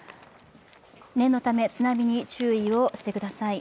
念のため、津波に注意をしてください。